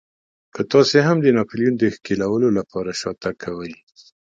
که تاسې هم د ناپلیون د ښکېلولو لپاره شاتګ کوئ.